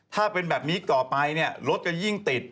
ถ้าเป็นแบบนี้ต่อไปเนี่ยรถก็ยิ่งติด